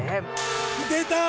出た！